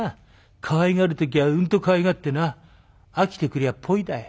かわいがる時はうんとかわいがってな飽きてくりゃポイだよ。